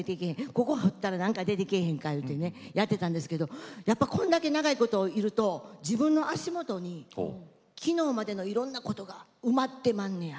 ここ掘ったら何か出てけえへんかいうてねやってたんですけどやっぱこんだけ長いこといると自分の足元に昨日までのいろんなことが埋まってまんのや。